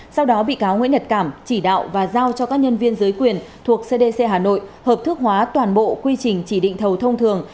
sau đó bị cáo nguyễn nhật cảm chỉ đạo và giao cho các nhân viên giới quyền thuộc cdc hà nội hợp thức hóa toàn bộ quy trình chỉ định thầu thông thường